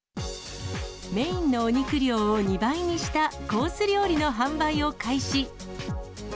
メインのお肉量を２倍にしたコース料理の販売を開始。